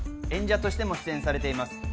演者としても出演されています。